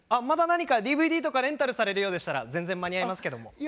まだ何かＤＶＤとかレンタルされるようでしたら全然間に合いますけども。